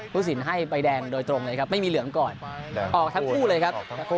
ผู้สินให้ใบแดงโดยตรงเลยครับไม่มีเหลืองก่อนออกทั้งคู่เลยครับ